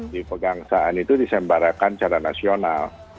di pegangsaan itu disembarakan secara nasional